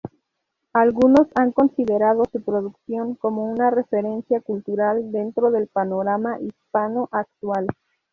Algunos han considerado su producción como una referencia cultural dentro del panorama hispano actual.